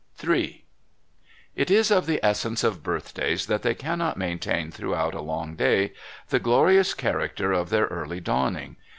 III It is of the essence of birthdays that they cannot maintain throughout a long day the glorious character of their early dawning.